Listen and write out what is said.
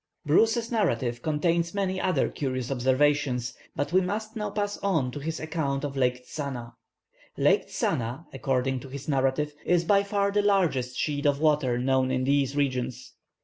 Bruce's narrative contains many other curious observations, but we must now pass on to his account of Lake Tzana. "Lake Tzana," according to his narrative, "is by far the largest sheet of water known in these regions.